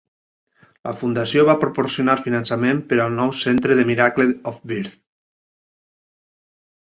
La fundació va proporcionar finançament per al nou centre de Miracle of Birth.